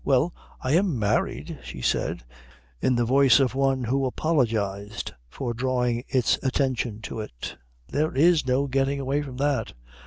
"Well, I am married," she said, in the voice of one who apologised for drawing his attention to it. "There is no getting away from that."